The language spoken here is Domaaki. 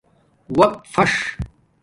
وقت پݽ